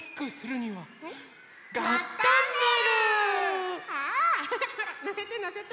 のせてのせて。